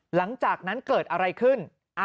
หลังจากนั้นเกิดอะไรขึ้น